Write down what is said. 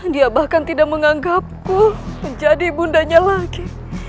dia bahkan tidak menganggapku menjadi bundanya lagi